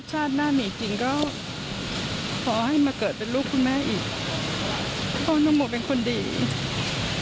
ถ้าชาติหน้ามีจริงก็ภอให้มาเกิดเป็นลูกคุณแม่อีก